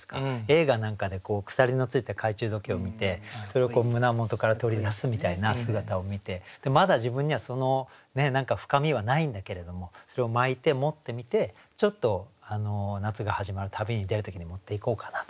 映画なんかで鎖の付いた懐中時計を見てそれを胸元から取り出すみたいな姿を見てまだ自分にはその深みはないんだけれどもそれを巻いて持ってみてちょっと夏が始まる旅に出る時に持っていこうかなとか。